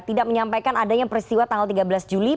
tidak menyampaikan adanya peristiwa tanggal tiga belas juli